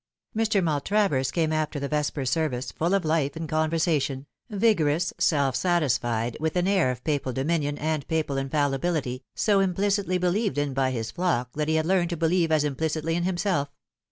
Mr. Maltravers came after the vesper service, full of life and conversation, vigorous, "self satisfied, with an air of Papal dominion and Papal infallibility, so implicitly believed in by his flock that he had learned to believe as implicitly in himself.